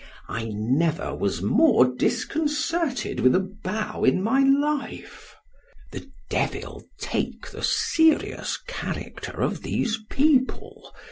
——I never was more disconcerted with a bow in my life. ——The devil take the serious character of these people!